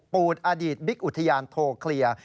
ปูดอดีตบิ๊กอุทยานโทรเคลียร์